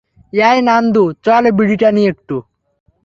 অ্যাই নান্দু, চল বিড়ি টানি একটু।